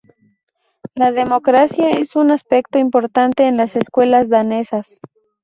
La democracia es un aspecto importante en las escuelas danesas.